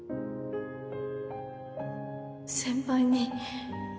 先輩に